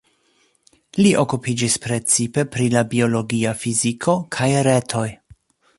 Li okupiĝis precipe pri la biologia fiziko kaj retoj.